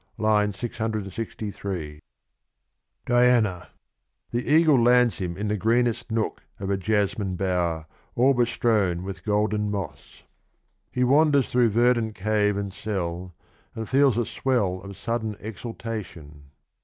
(II. 663) The eagle lands him in the greenest nook of a jasmine bower all bestrown with golden moss. He wanders 43 Diana. through verdant cave and cell, and feels a swell of sudden exaltation.